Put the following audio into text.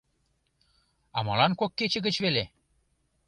— А молан кок кече гыч веле?